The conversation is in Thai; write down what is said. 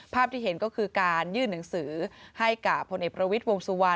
ที่เห็นก็คือการยื่นหนังสือให้กับพลเอกประวิทย์วงสุวรรณ